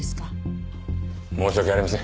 申し訳ありません。